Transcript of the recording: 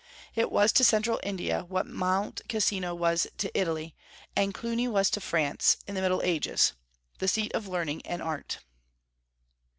It was to Central India what Mount Casino was to Italy, and Cluny was to France, in the Middle Ages, the seat of learning and art.